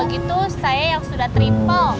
gitu saya yang sudah triple